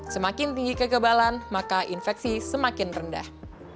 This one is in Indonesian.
semakin tinggi kekebalan maka infeksi semakin rendah